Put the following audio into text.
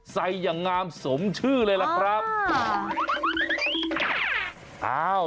อย่างงามสมชื่อเลยล่ะครับ